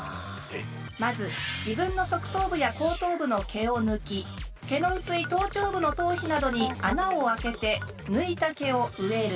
まず自分の側頭部や後頭部の毛を抜き毛の薄い頭頂部の頭皮などに穴を開けて抜いた毛を植える。